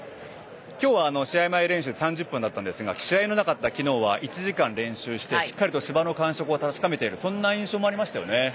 今日は試合前練習３０分だったんですが試合のなかった昨日はしっかり１時間練習してしっかりと芝の感触を確かめている印象もありましたね。